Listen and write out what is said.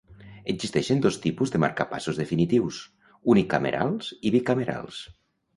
Existeixen dos tipus de marcapassos definitius: unicamerals i bicamerals.